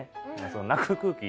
その泣く空気。